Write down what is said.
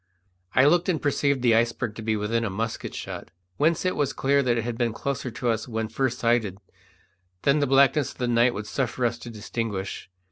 I looked and perceived the iceberg to be within a musket shot, whence it was clear that it had been closer to us when first sighted than the blackness of the night would suffer us to distinguish.